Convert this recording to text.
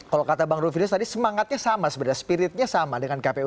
kalau kata bang rufinus tadi semangatnya sama sebenarnya spiritnya sama dengan kpu